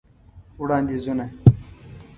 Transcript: وړاندیزونه :